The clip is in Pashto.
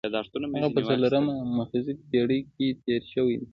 هغه په څلورمه مخزېږدي پېړۍ کې تېر شوی دی.